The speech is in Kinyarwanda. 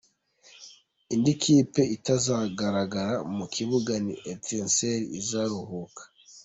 Indi kipe itazagaragara mu kibuga ni Etincelles izaruhuka.